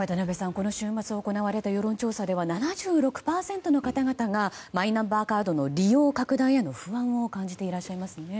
この週末に行われた世論調査では７６％の方々がマイナンバーカードの利用拡大への不安を感じていらっしゃいますね。